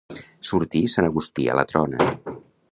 Sortir sant Agustí a la trona.